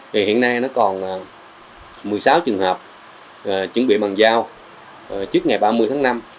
thì hiện nay nó còn một mươi sáu trường hợp chuẩn bị bằng dao trước ngày ba mươi tháng năm